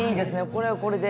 これはこれで。